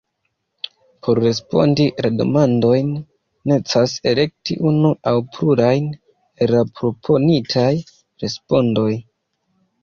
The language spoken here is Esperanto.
Por respondi la demandojn necesas elekti unu aŭ plurajn el la proponitaj respondoj.